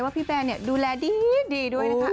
ว่าพี่แบลล์นี่ดูแลดีดีด้วยนะคะ